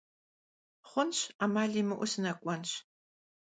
Xhunş, 'emal 'imıeu sınek'uenş.